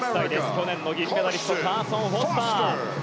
去年の銀メダリストカーソン・フォスター。